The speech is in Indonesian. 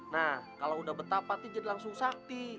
nah kalau udah betapa tijet langsung sakti